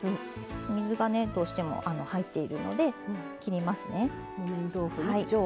水がねどうしても入っているので切りますね。